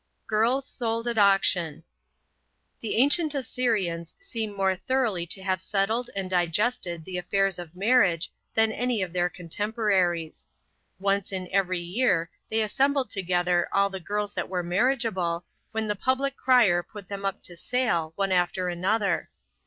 GIRLS SOLD AT AUCTION. The ancient Assyrians seem more thoroughly to have settled and digested the affairs of marriage, than any of their cotemporaries. Once in every year they assembled together all the girls that were marriageable, when the public crier put them up to sale, one after another.